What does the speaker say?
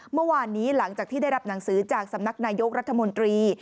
เมื่อวานนี้หลังจากที่ได้รับหนังสือจากสำนักนายกรัฐมนตรี